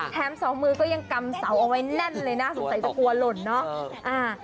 สองมือก็ยังกำเสาเอาไว้แน่นเลยนะสงสัยจะกลัวหล่นเนอะ